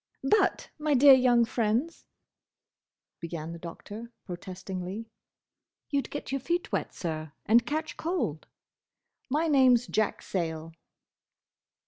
"But, my dear young friends—" began the Doctor, protestingly. "You'd get your feet wet, Sir, and catch cold. My name's Jack Sayle."